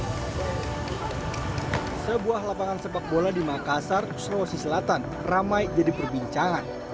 hai sebuah lapangan sepak bola di makassar sulawesi selatan ramai jadi perbincangan